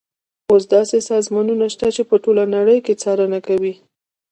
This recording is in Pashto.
اوس داسې سازمانونه شته چې په ټوله نړۍ کې څارنه کوي.